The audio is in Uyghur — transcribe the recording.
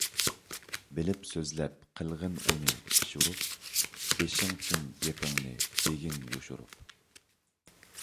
بىلىپ سۆزلەپ، قىلغىن ئۇنى پىشۇرۇپ، بېشىڭچۈن گېپىڭنى دېگىن يوشۇرۇپ.